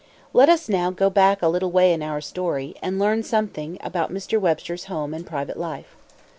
Let us now go back a little way in our story, and learn something about Mr. Webster's home and private life.